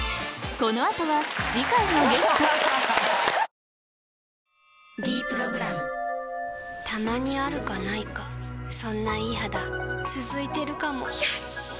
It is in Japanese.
この後は次回のゲスト「ｄプログラム」たまにあるかないかそんないい肌続いてるかもよしっ！